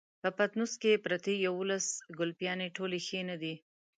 په پټنوس کې پرتې يوولس ګلپيانې ټولې ښې نه دي.